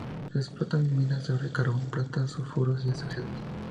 Se explotan minas de oro, carbón, plata y sulfuros asociados.